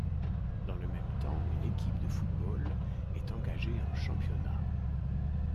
Dans le même temps, une équipe de football est engagée en championnat.